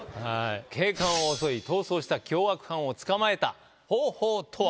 警官を襲い、逃走した凶悪犯を捕まえた方法とは。